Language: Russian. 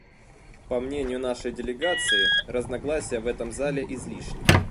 По мнению нашей делегации, разногласия в этом зале излишни.